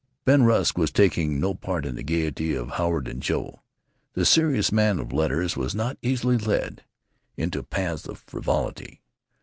Ben Rusk was taking no part in the gaiety of Howard and Joe. The serious man of letters was not easily led into paths of frivolity.